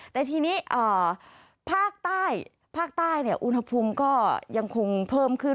แต่ทีนี้ภาคใต้ภาคใต้อุณหภูมิก็ยังคงเพิ่มขึ้น